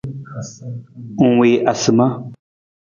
Ng wii asima.